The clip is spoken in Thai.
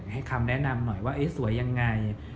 ให้คำแนะนำหน่อยว่าสวยยังไง